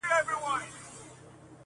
• ساقي واخله ټول جامونه پرې خړوب که..